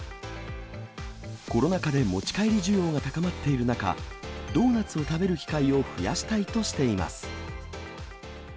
コロナ禍で持ち帰り需要が高まっている中、ドーナツを食べる機会を増やしたいとしています。